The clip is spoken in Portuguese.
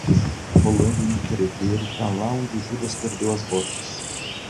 Tá rolando um entrevero pra lá onde Judas perdeu as botas